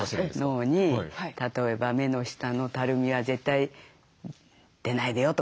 脳に例えば「目の下のたるみは絶対出ないでよ」とか。